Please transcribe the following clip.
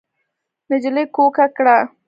نجلۍ کوکه کړه.